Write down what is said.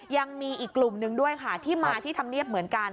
ยังมีอีกกลุ่มนึงด้วยค่ะที่มาที่ธรรมเนียบเหมือนกัน